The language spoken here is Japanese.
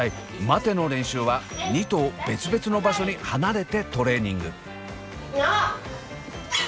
待ての練習は２頭別々の場所に離れてトレーニング。